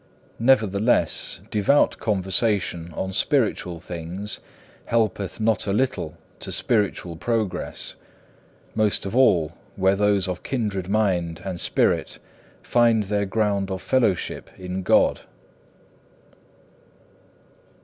Nevertheless, devout conversation on spiritual things helpeth not a little to spiritual progress, most of all where those of kindred mind and spirit find their ground of fellowship in God.